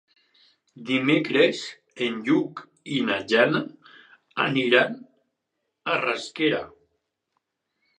Dimecres en Lluc i na Jana aniran a Rasquera.